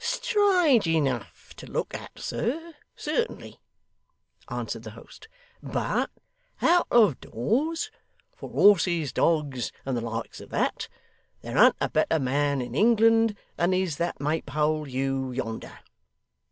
'Strange enough to look at, sir, certainly,' answered the host; 'but out of doors; for horses, dogs, and the likes of that; there an't a better man in England than is that Maypole Hugh yonder.